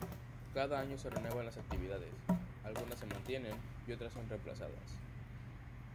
Cada año se renuevan las actividades, algunas se mantienen y otras son reemplazadas.